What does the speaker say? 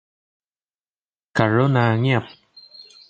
กรุณาเงียบ